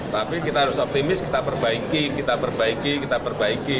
tapi kita harus optimis kita perbaiki kita perbaiki kita perbaiki